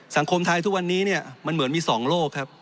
สังคมไทยทุกวันนี้เนี่ยมันเหมือนมี๒โลกครับ